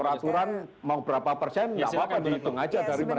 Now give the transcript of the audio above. peraturan mau berapa persen nggak apa apa dihitung aja dari mereka